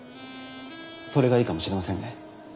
それがいいかもしれませんね。